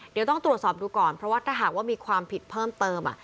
เดี๋ยวต้องตรวจสอบดูก่อนเพราะว่าถ้าหากว่ามีความผิดเพิ่มเติม